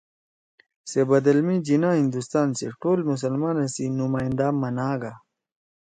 سے بدَل می جناح ہندوستان سی ٹول مسلمانا سی نمائندہ مناگا